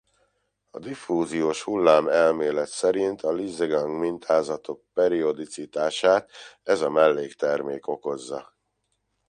A diffúziós hullám elmélet szerint a Liesegang-mintázatok periodicitását ez a melléktermék okozza.